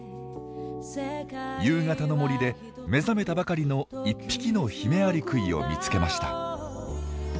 夕方の森で目覚めたばかりの１匹のヒメアリクイを見つけました。